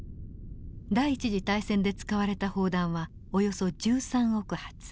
第一次大戦で使われた砲弾はおよそ１３億発。